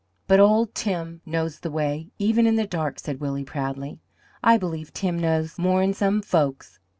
"But old Tim knows the way, even in the dark," said Willie proudly. "I believe Tim knows more'n some folks."